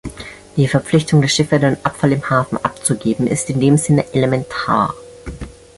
Die Verpflichtung der Schiffe, den Abfall im Hafen abzugeben, ist in dem Sinne elementar.